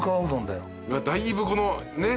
だいぶこのね。